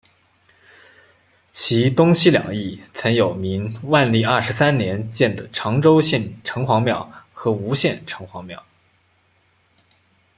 其东西两翼曾有明万历二十三年建的长洲县城隍庙和吴县城隍庙。